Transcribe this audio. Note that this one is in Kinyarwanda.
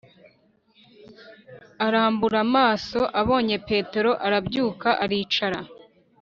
Arambura amaso abonye petero arabyuka aricara